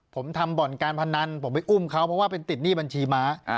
ผมทำบ่อนการพนันผมไปอุ้มเขาเพราะว่าเป็นติดหนี้บัญชีม้า